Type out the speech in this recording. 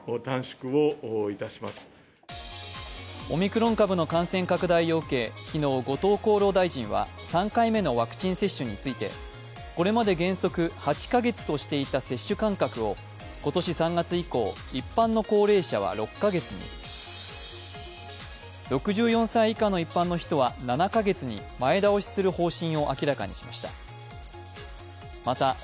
オミクロン株の感染拡大を受け、昨日、後藤厚労大臣は３回目のワクチン接種についてこれまで原則８カ月としていた接種間隔を今年３月以降、一般の高齢者は６カ月に、６４歳以下の一般の人は７カ月に前倒しする方針を明らかにしました。